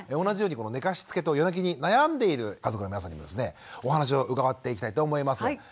同じように寝かしつけと夜泣きに悩んでいる家族の皆さんにもですねお話を伺っていきたいと思います。